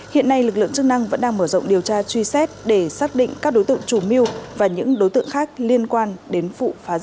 hiện nay lực lượng chức năng vẫn đang mở rộng điều tra truy xét để xác định các đối tượng chủ mưu và những đối tượng khác liên quan đến vụ phá rừng